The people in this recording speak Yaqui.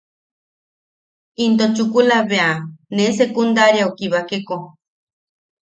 Into chukula bea ne secundariaʼu kibakeko.